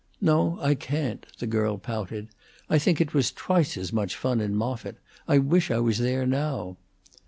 "No, I can't," the girl pouted. "I think it was twice as much fun in Moffitt. I wish I was there now."